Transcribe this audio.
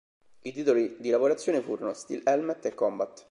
I titoli di lavorazione furono "Steel Helmet" e "Combat".